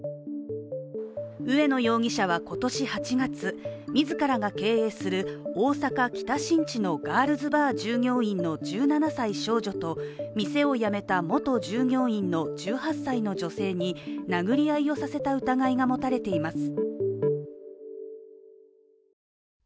上野容疑者は今年８月、自らが経営する大阪・北新地のガールズバー従業員の１７歳少女と店を辞めた元従業員の１８歳の女性に殴り合いをさせた疑いが持たれています。